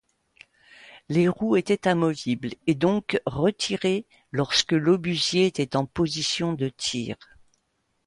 Les roues étaient amovibles et donc retirées lorsque l'obusier était en position de tir.